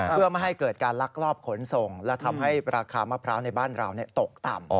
เพื่อไม่ให้เกิดการลักลอบขนส่งและทำให้ราคามะพร้าวในบ้านเราตกต่ำ